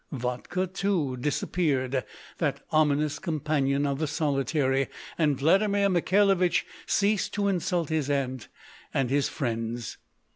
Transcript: Vodka, too, disappeared, that ominous companion of the solitary, and Vladimir Mikhailovich ceased to insult his Aunt and his friends.